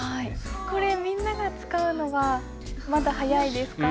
これみんなが使うのはまだ早いですか？